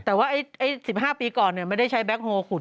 แต่ว่า๑๕ปีก่อนไม่ได้ใช้แบ็คโฮลขุด